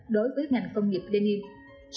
đối với ngành công nghiệp denims